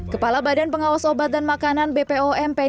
kepala badan pengawas obat dan makanan bpom